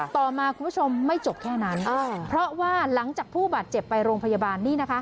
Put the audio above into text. ต่อมาคุณผู้ชมไม่จบแค่นั้นเพราะว่าหลังจากผู้บาดเจ็บไปโรงพยาบาลนี่นะคะ